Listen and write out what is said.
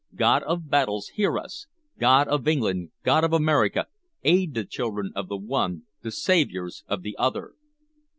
God of battles, hear us! God of England, God of America, aid the children of the one, the saviors of the other!"